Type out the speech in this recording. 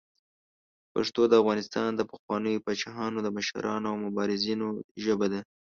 پښتو د افغانستان د پخوانیو پاچاهانو، مشرانو او مبارزینو ژبه ده.